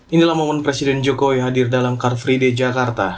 inilah momen presiden jokowi hadir dalam car free day jakarta